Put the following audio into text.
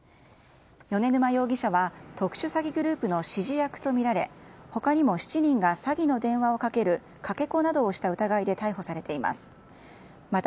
米沼容疑者は特殊詐欺グループの指示役とみられ他にも７人が詐欺の電話をかけるかけ子などをした疑いで逮捕されました。